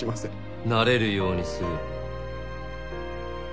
なれるようにする。